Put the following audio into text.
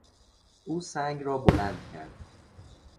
او سنگ را بلند کرد.